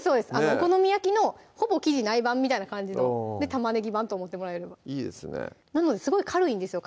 お好み焼きのほぼ生地ない版みたいな感じの玉ねぎ版と思ってもらえればいいですねなのですごい軽いんですよ